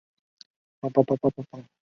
她是帝喾长子帝挚的母亲。